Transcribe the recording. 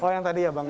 oh yang tadi ya bang